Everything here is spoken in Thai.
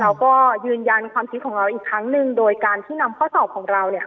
เราก็ยืนยันความคิดของเราอีกครั้งหนึ่งโดยการที่นำข้อสอบของเราเนี่ย